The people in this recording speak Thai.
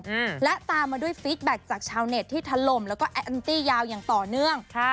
อืมและตามมาด้วยฟีดแบ็คจากชาวเน็ตที่ทะลมแล้วก็แอนตี้ยาวอย่างต่อเนื่องค่ะ